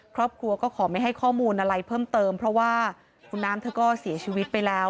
ครอบครัวก็ขอไม่ให้ข้อมูลอะไรเพิ่มเติมเพราะว่าคุณน้ำเธอก็เสียชีวิตไปแล้ว